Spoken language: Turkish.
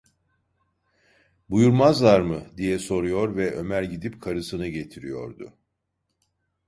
"Buyurmazlar mı?" diye soruyor ve Ömer gidip karısını getiriyordu.